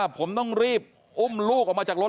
ผมต้องรีบอุ้มลูกออกมาจากรถ